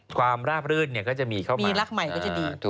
ความราบรื่นก็จะมีเข้ามามีรักใหม่ก็จะดี